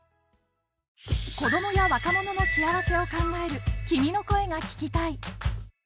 子どもや若者の幸せを考える「君の声が聴きたい」。